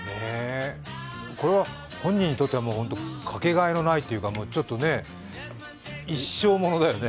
これは本人にとってはかけがえのないというか、一生物だよね。